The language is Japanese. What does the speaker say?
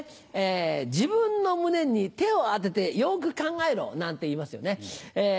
「自分の胸に手を当ててよく考えろ」なんて言いますよね。